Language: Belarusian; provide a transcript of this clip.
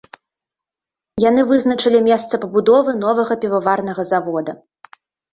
Яны вызначылі месца пабудовы новага піваварнага завода.